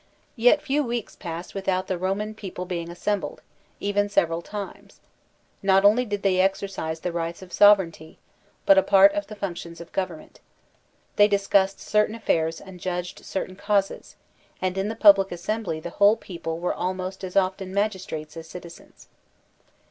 Yet few weeks passed without the Roman people being assembled, even several times. Not only did they exercise the rights of sovereignty, but a part of the functions of government. They discussed certain affairs and judged certain causes, and in the pub lic assembly the whole people were almost as often mag istrates as citizens.